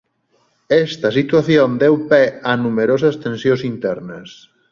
Esta situación deu pé a numerosas tensións internas.